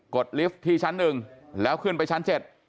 ดลิฟท์ที่ชั้น๑แล้วขึ้นไปชั้น๗